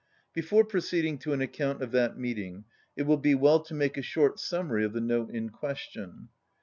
Before proceeding to an account of that meet ing, it will be well to make a short summary of the note in question.